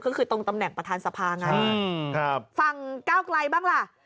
ก็คือตรงตำแหน่งประธานสภาไงฝั่งก้าวไกลบ้างล่ะ